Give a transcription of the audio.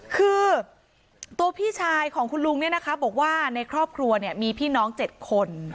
คือตัวพี่ชายของคุณลุงเนี่ยนะคะบอกว่าในครอบครัวมีพี่น้อง๗คน